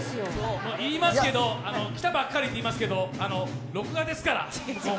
来たばっかりって言いますけど、録画ですから。